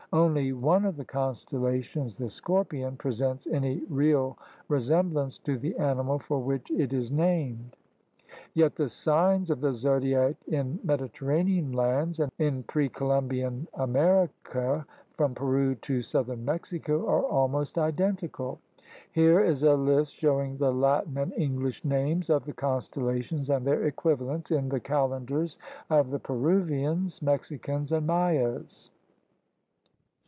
Only one of the constellations, the scorpion, presents any real resemblance to the animal for which it is named. Yet the signs of the zodiac in Medi terranean lands and in pre Columbian America from Peru to southern Mexico are almost identical. Here is a list showing the Latin and English names of the constellations and their equivalents in the calendars of the Peruvians, Mexicans, and Mayas.